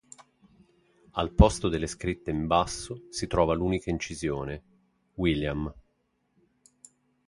Al posto delle scritte in basso si trova l'unica incisione: "William".